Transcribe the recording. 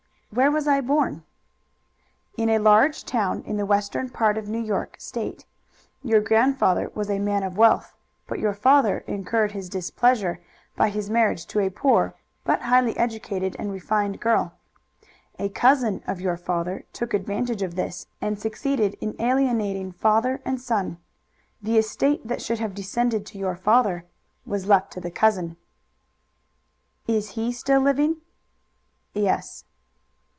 "Where was I born?" "In a large town in the western part of New York State. Your grandfather was a man of wealth, but your father incurred his displeasure by his marriage to a poor but highly educated and refined girl. A cousin of your father took advantage of this and succeeded in alienating father and son. The estate that should have descended to your father was left to the cousin." "Is he still living?" "Yes."